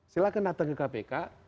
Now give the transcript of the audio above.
silahkan datang ke kpk